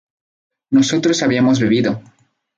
nosotros habíamos bebido